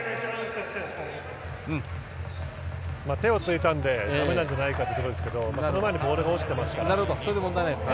手をついたのでだめなんじゃないかということですけど、その前にボールが落ちてますからそれで問題ないですね。